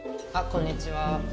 こんにちは。